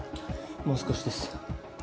もう少しです。